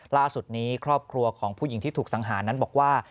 ล่าสุดนี้ครอบครัวของผู้หญิงที่ถูกสังหารนั้นบอกว่า